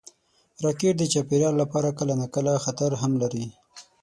راکټ د چاپېریال لپاره کله ناکله خطر هم لري